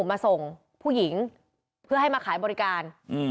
มาส่งผู้หญิงเพื่อให้มาขายบริการ